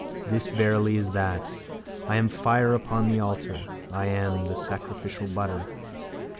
This verily is that. I am the fire upon the altar. I am the sacrificial butter.